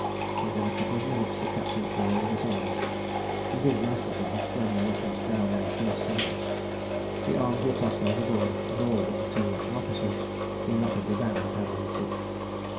Within a couple of minutes the captives were all disarmed; indeed, most of them had thrown their weapons down on the first summons. The arms were tossed overboard, and all but the two Russian officers were rapidly bound hand and foot.